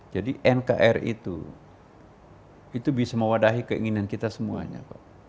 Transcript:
jadi nkri itu itu bisa mewadahi keinginan kita semuanya